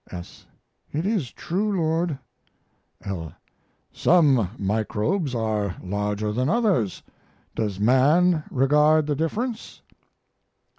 S. It is true, Lord. L. Some microbes are larger than others. Does man regard the difference?